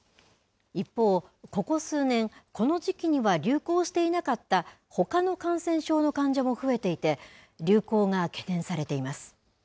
一方、ここ数年この時期には流行していなかったほかの感染症の患者も増えていて流行が懸念されています。